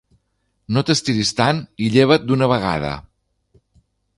No t'estiris tant i lleva't d'una vegada!